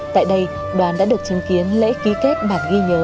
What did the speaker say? tại đây đoàn đã được chứng kiến lễ ký kết bản ghi nhớ